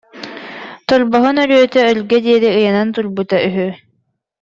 Торбоһун өрүөтэ өргө диэри ыйанан турбута үһү